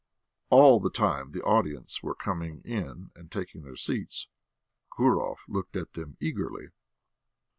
All the time the audience were coming in and taking their seats Gurov looked at them eagerly.